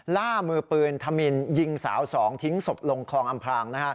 ล่ามือปืนธมินยิงสาวสองทิ้งศพลงคลองอำพราง